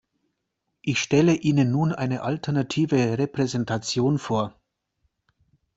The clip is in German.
Ich stelle Ihnen nun eine alternative Repräsentation vor.